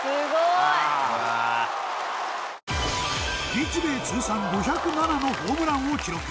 日米通算５０７のホームランを記録。